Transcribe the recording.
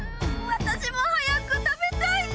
私も早く食べたい。